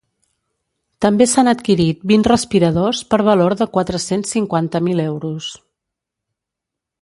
També s’han adquirit vint respiradors per valor de quatre-cents cinquanta mil euros.